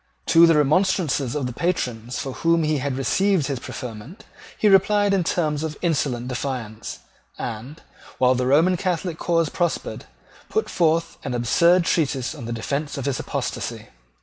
To the remonstrances of the patrons from whom he had received his preferment he replied in terms of insolent defiance, and, while the Roman Catholic cause prospered, put forth an absurd treatise in defence of his apostasy.